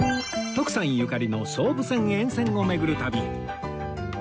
徳さんゆかりの総武線沿線を巡る旅